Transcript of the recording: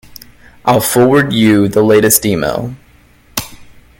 I'll forward you the latest email.